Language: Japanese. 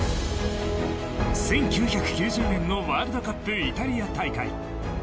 １９９０年のワールドカップイタリア大会。